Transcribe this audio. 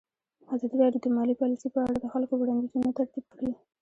ازادي راډیو د مالي پالیسي په اړه د خلکو وړاندیزونه ترتیب کړي.